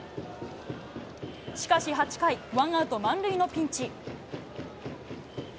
しかし８回、ワンアウト満塁のピンチ。